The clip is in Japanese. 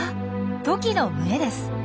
トキの群れです！